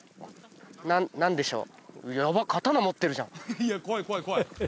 何何でしょう？